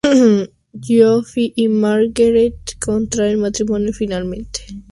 Joffrey y Margaery contraen matrimonio finalmente.